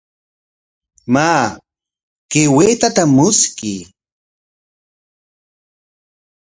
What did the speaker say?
Maa, kay waytata mushkuy.